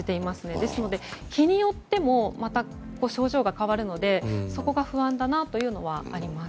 ですので、日によってもまた症状が変わるのでそこが不安だというのはあります。